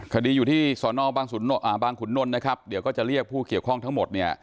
คดีอยู่ที่สอนอบางขุนนลนะครับเดี๋ยวก็จะเรียกผู้เกี่ยวข้องทั้งหมดเนี่ย